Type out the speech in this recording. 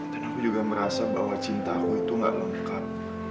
dan aku juga merasa bahwa cintaku itu gak lengkap